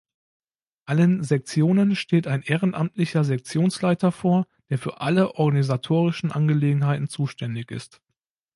Allen Sektionen steht ein ehrenamtlicher Sektionsleiter vor, der für alle organisatorischen Angelegenheiten zuständig ist.